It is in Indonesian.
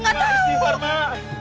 mak istighfar mak